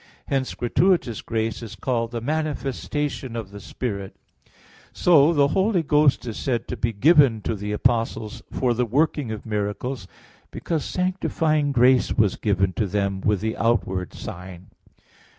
Hence gratuitous grace is called the "manifestation of the Spirit" (1 Cor. 12:7). So the Holy Ghost is said to be given to the apostles for the working of miracles, because sanctifying grace was given to them with the outward sign.